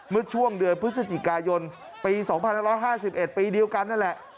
เมื่อช่วงเดือนพฤศจิกายนปี๒๕๕๑ปีเดียวกันนั่นแหละ